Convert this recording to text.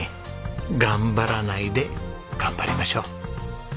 頑張らないで頑張りましょう。